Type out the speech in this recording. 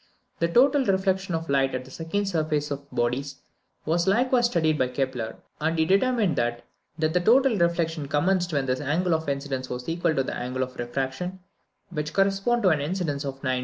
The total reflection of light at the second surface of bodies was likewise studied by Kepler, and he determined that the total reflection commenced when the angle of incidence was equal to the angle of refraction, which corresponded to an incidence of 90.